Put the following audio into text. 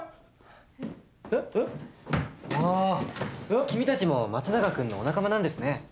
あ君たちも松永君のお仲間なんですね。